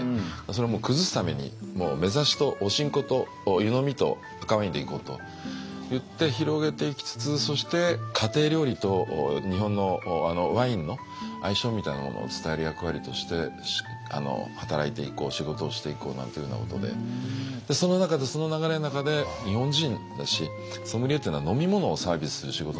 それをもう崩すためにめざしとお新香と湯飲みと赤ワインでいこうといって広げていきつつそして家庭料理と日本のワインの相性みたいなものを伝える役割として働いていこう仕事をしていこうなんていうふうなことでその中でその流れの中で日本人だしソムリエっていうのは飲み物をサービスする仕事なので。